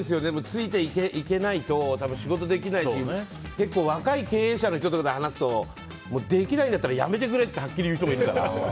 ついていけないと仕事ができないし結構若い経営者の人とかと話すとできないんだったら辞めてくれってはっきり言う人もいるから。